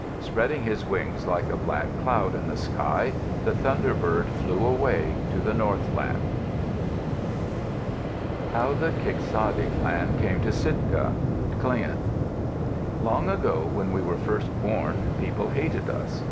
Spreading his wings like a black cloud in the sky, the thunderbird flew away to the northland. HOW THE KIKSADI CLAN CAME TO SITKA Tlingit Long ago, when we were first born, people hated us.